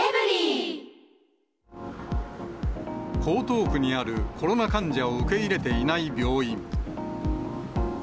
江東区にあるコロナ患者を受け入れていない病院。